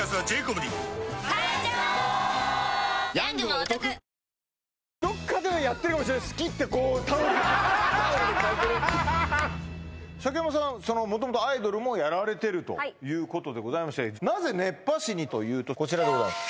「お椀で食べるシリーズ」鮭山さんは元々アイドルもやられてるということでございましてなぜ熱波師にというとこちらでございます